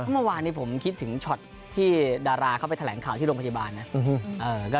เมื่อวานนี้ผมคิดถึงช็อตที่ดาราเขาไปแถลงข่าวที่โรงพยาบาลนะ